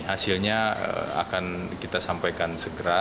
hasilnya akan kita sampaikan segera